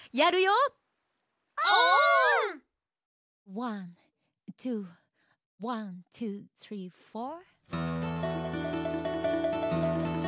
ワンツーワンツースリーフォー。